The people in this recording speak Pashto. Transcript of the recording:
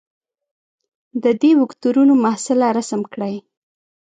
د دې وکتورونو محصله رسم کړئ.